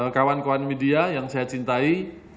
kawan kawan media yang saya cintai